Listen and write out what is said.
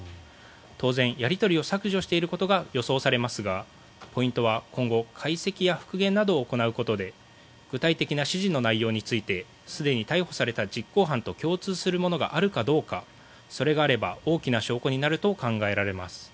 当然やり取りを削除していることが予想されますがポイントは今後解析や復元などを行うことで具体的な指示の内容についてすでに逮捕された実行犯と共通するものがあるかどうかそれがあれば大きな証拠になると考えられます。